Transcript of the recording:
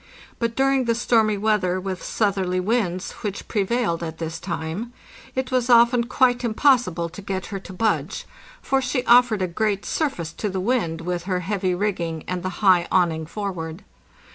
But during the stormy weather, with southerly winds, which prevailed at this time, it was often quite impossible to get her to budge; for she offered a great surface to the wind, with her heavy rigging and the high awning forward.